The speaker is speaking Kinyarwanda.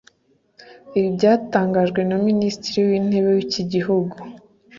Ibi byatangajwe na minisitiri w’intebe w’iki gihugu